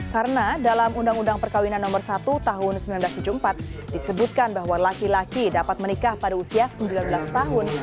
karena dalam uu perkawinan no satu tahun seribu sembilan ratus tujuh puluh empat disebutkan bahwa laki laki dapat menikah pada usia sembilan belas tahun